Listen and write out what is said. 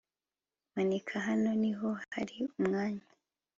manika hano niho hari umwanya